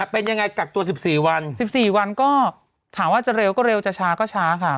เป็นยังไงกักตัว๑๔วัน๑๔วันก็ถามว่าจะเร็วก็เร็วจะช้าก็ช้าค่ะ